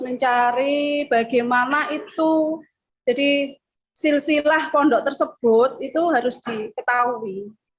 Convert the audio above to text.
mencari bagaimana itu jadi silsilah pondok tersebut itu harus diketahui